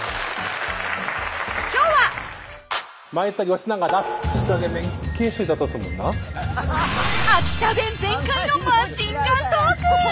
今日は秋田弁全開のマシンガントーク！